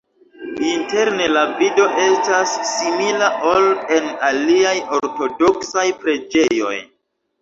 Interne la vido estas simila, ol en aliaj ortodoksaj preĝejoj.